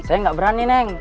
saya gak berani neng